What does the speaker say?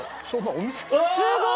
すごい！